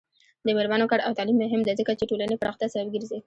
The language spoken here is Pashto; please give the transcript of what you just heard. د میرمنو کار او تعلیم مهم دی ځکه چې ټولنې پراختیا سبب ګرځي.